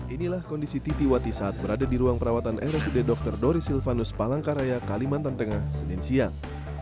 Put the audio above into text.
inilah kondisi titi wati saat berada di ruang perawatan rsud dr doris silvanus palangkaraya kalimantan tengah senin siang